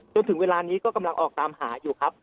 จนถึงเวลานี้ก็กำลังออกตามหาอยู่ครับ